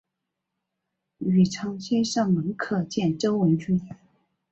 吕仓介绍门客见周文君。